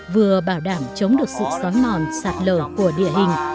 vừa bảo đảm chống được sự xói mòn sạt lở của địa hình